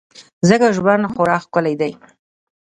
ځکه ژوند خورا ښکلی دی.